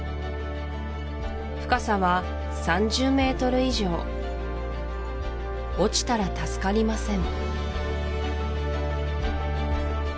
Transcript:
深さは３０ｍ以上落ちたら助かりません